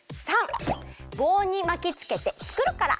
③ぼうにまきつけてつくるから。